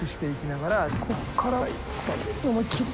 ここから思いっきり。